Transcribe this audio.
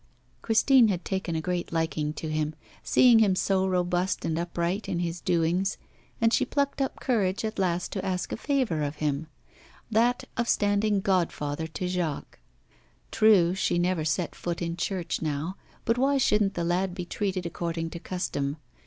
Christine had taken a great liking to him, seeing him so robust and upright in his doings, and she plucked up courage at last to ask a favour of him: that of standing godfather to Jacques. True, she never set foot in church now, but why shouldn't the lad be treated according to custom?